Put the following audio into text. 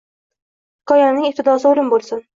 Hikoyamning ibtidosi o’lim bo’lsin.